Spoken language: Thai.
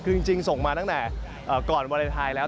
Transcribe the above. คือจริงส่งมาตั้งแต่ก่อนวาเลนไทยแล้ว